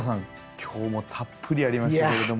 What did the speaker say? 今日もたっぷりありましたけれども。